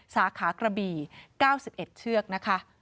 สาขากระบี่๙๑เชือกนะคะ